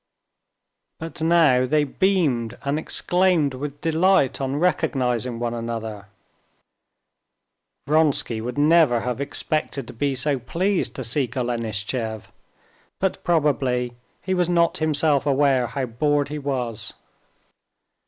But now they beamed and exclaimed with delight on recognizing one another. Vronsky would never have expected to be so pleased to see Golenishtchev, but probably he was not himself aware how bored he was.